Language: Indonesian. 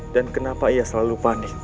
dan kenapa ia selalu panik